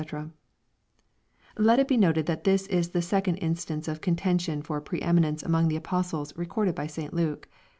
] Let it be noted that this is the second instance of contention for pre eminence among the apostles, recorded by St. Luke.